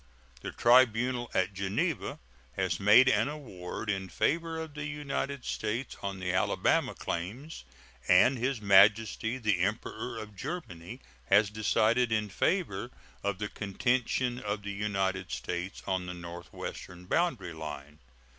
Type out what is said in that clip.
The tribunal at Geneva has made an award in favor of the United States on the Alabama claims, and His Majesty the Emperor of Germany has decided in favor of the contention of the United States on the northwestern boundary line.